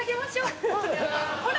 ほら！